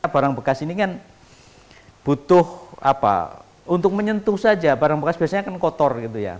barang bekas ini kan butuh apa untuk menyentuh saja barang bekas biasanya kan kotor gitu ya